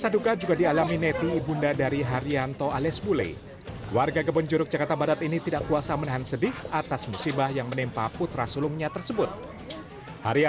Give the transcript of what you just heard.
dugaan sementara kebakaran terjadi akibat hubungan pendek arus listrik